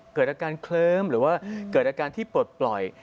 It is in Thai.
เกิดอาการเคลิ้มหรือว่าเกิดอาการที่ปลดปล่อย